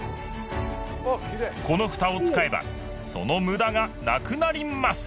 このフタを使えばその無駄がなくなります！